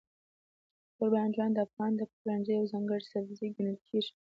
توربانجان د افغاني پخلنځي یو ځانګړی سبزی ګڼل کېږي.